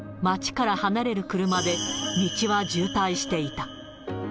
街から離れる車で、道は渋滞していた。